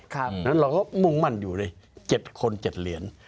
เราก็มุ่งมั่นอยู่เลย๗คน๗เหรียญ